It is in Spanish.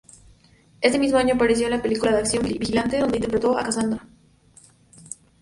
Ese mismo año apareció en la película de acción "Vigilante" donde interpretó a Cassandra.